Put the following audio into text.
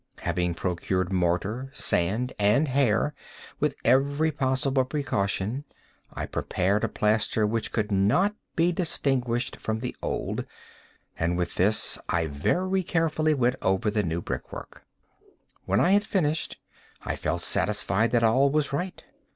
Having procured mortar, sand, and hair, with every possible precaution, I prepared a plaster which could not be distinguished from the old, and with this I very carefully went over the new brickwork. When I had finished, I felt satisfied that all was right.